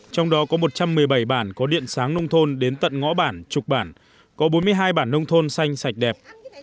trong đó có một trăm một mươi bảy bản có điện sáng nông thôn đến tận ngõ bản trục bản có bốn mươi hai bản nông thôn xanh sạch đẹp